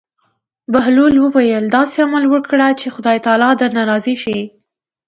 بهلول وویل: داسې عمل وکړه چې خدای تعالی درنه راضي شي.